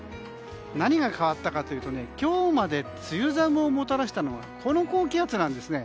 何が変わったかというと今日まで梅雨空をもたらしたのは、この高気圧です。